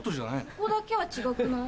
ここだけは違くない？